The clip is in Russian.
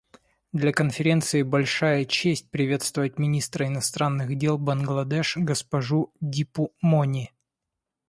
Для Конференции большая честь приветствовать министра иностранных дел Бангладеш госпожу Дипу Мони.